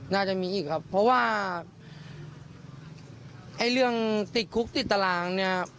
น่าจะมีอีกครับเพราะว่าไอ้เรื่องติดคุกติดตารางเนี่ย